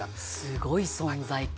すごい存在感。